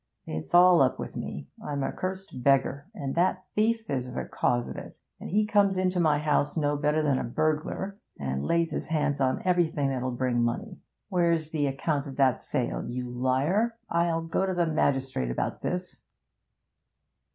It's all up with me; I'm a cursed beggar and that thief is the cause of it. And he comes into my house no better than a burglar and lays his hands on everything that'll bring money. Where's the account of that sale, you liar? I'll go to a magistrate about this.'